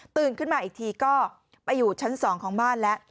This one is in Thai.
ขึ้นมาอีกทีก็ไปอยู่ชั้น๒ของบ้านแล้ว